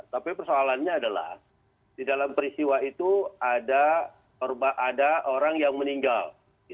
tapi persoalannya adalah di dalam peristiwa itu ada orang yang meninggal